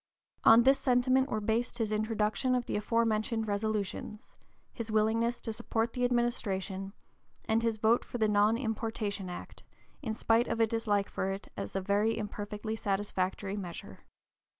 On this sentiment were based his introduction of the aforementioned resolutions, his willingness to support the administration, and his vote for the Non importation Act in spite of a dislike for it as a very imperfectly satisfactory measure.